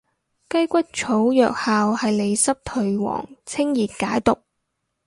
雞骨草藥效係利濕退黃清熱解毒